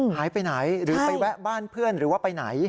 หายไปไหนหรือไปแวะบ้านเพื่อนหรือว่าไปไหน